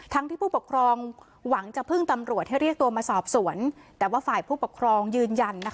ที่ผู้ปกครองหวังจะพึ่งตำรวจให้เรียกตัวมาสอบสวนแต่ว่าฝ่ายผู้ปกครองยืนยันนะคะ